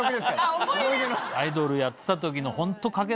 アイドルやってた時のホント。